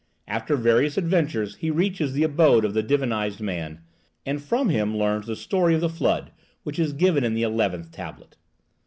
After various adventures he reaches the abode of the divinized man, and from him learns the story of the Flood, which is given in the eleventh tablet.